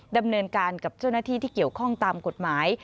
ดำเนินการกับเจ้าหน้าที่ที่เกี่ยวข้องตามกฎหมาย